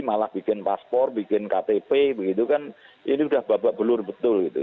malah bikin paspor bikin ktp begitu kan ini udah babak belur betul gitu